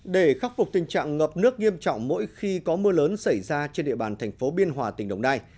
để khắc phục tình trạng ngập nước nghiêm trọng mỗi khi có mưa lớn xảy ra trên địa bàn thành phố biên hòa tỉnh đồng nai